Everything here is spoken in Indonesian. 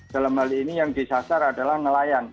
dalam hal ini yang disasar adalah nelayan